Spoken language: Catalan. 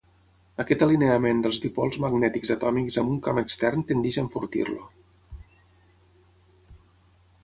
Aquest alineament dels dipols magnètics atòmics amb un camp extern tendeix a enfortir-lo.